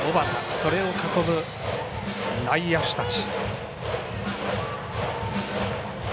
それを囲む、内野手たち。